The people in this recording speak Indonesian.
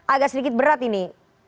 agak sedikit berat ini